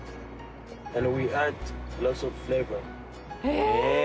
え！